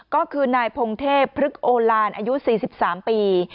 ก็คือนายพงเทพพฤกษโอลานอายุ๔๓ปี